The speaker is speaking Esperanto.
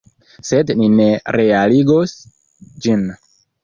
Sed ni ne realigos ĝin.